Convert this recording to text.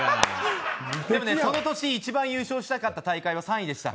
でもね、その年、一番優勝したかった大会は３位でした。